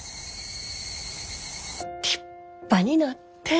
立派になって。